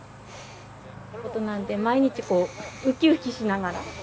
なので毎日こうウキウキしながら。